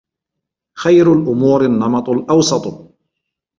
خَيْرُ الْأُمُورِ النَّمَطُ الْأَوْسَطُ